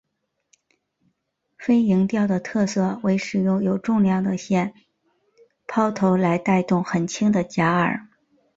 飞蝇钓的特色为使用有重量的线抛投来带动很轻的假饵。